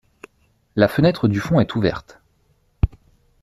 La fenêtre du fond est ouverte.